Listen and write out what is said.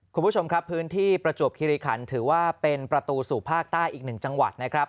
คุณผู้ชมครับพื้นที่ประจวบคิริขันถือว่าเป็นประตูสู่ภาคใต้อีกหนึ่งจังหวัดนะครับ